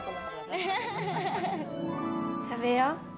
食べよう！